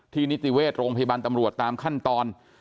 นิติเวชโรงพยาบาลตำรวจตามขั้นตอน